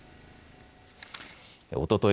おととい